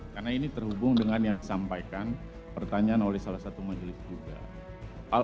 karena ini terhubung dengan yang disampaikan pertanyaan oleh salah satu majelis juga